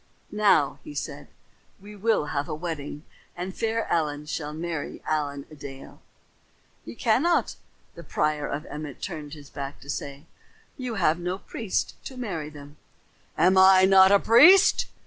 "Now," he said, "we will have a wedding, and fair Ellen shall marry Allen a Dale." "Ye cannot." The prior of Emmet turned back to say this. "You have no priest to marry them." "Am I not a priest?"